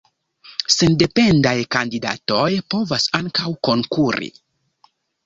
Sendependaj kandidatoj povas ankaŭ konkuri.